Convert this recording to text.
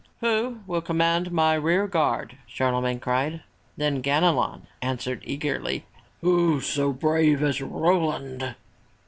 "Who will command my rear guard?*' Charlemagne cried. Then Ganelon answered eagerly, "Who so brave as Roland?''